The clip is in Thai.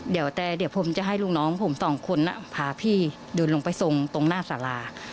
เดี๋ยวแต่เดี๋ยวผมจะให้ลูกน้องผมสองคนพาพี่เดินลงไปทรงตรงหน้าสารา